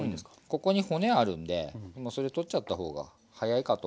ここに骨あるんでそれ取っちゃった方が早いかと思います。